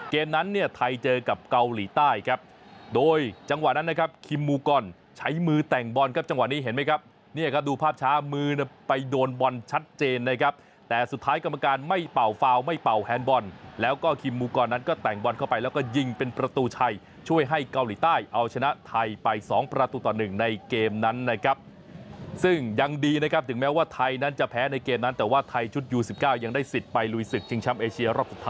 เกมนั้นเนี่ยไทยเจอกับเกาหลีใต้ครับโดยจังหวะนั้นนะครับคิมมูกรใช้มือแต่งบอลครับจังหวะนี้เห็นไหมครับเนี่ยก็ดูภาพช้ามือไปโดนบอลชัดเจนนะครับแต่สุดท้ายกรรมการไม่เป่าฟาวไม่เป่าแฮนด์บอลแล้วก็คิมมูกรนั้นก็แต่งบอลเข้าไปแล้วก็ยิงเป็นประตูชัยช่วยให้เกาหลีใต้เอาชนะไทยไป๒